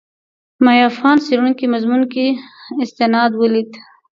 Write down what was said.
ما یو افغان څېړونکي مضمون کې استناد ولید.